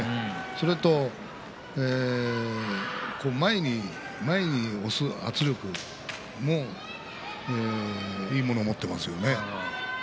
それと、前に前に押す圧力いいものを持っていますよね。